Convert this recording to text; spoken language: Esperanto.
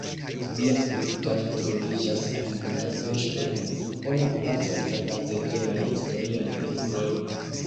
Lia skulptaĵo troviĝas en Budapeŝto en impona placo inter la ceteraj historiaj figuroj.